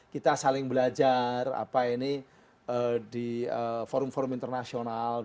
kita saling belajar di forum forum internasional